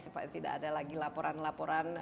supaya tidak ada lagi laporan laporan